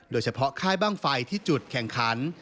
โดยเฉพาะค่ายบ้างไฟที่จุดแข่งขัน